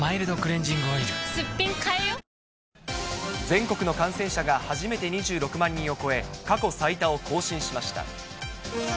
全国の感染者が初めて２６万人を超え、過去最多を更新しました。